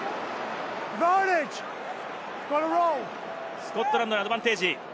スコットランドにアドバンテージ。